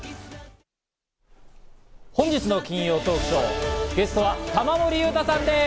本日の金曜トークショー、ゲストは玉森裕太さんです。